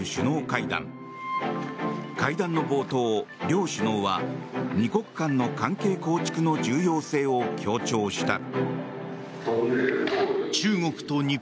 会談の冒頭、両首脳は２国間の関係構築の重要性を強調した。